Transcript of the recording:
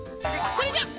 それじゃあ。